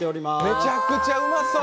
めちゃくちゃうまそう。